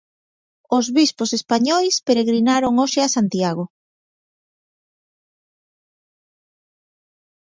Os bispos españois peregrinaron hoxe a Santiago.